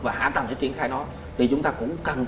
và hạ tầng cho triển khai nó thì chúng ta cũng cần